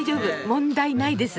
問題ないです。